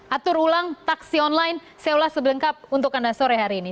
atur ulang taksi online saya ulas sebelengkap untuk anda sore hari ini